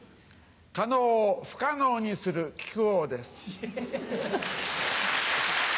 可能を不可能にする木久扇です。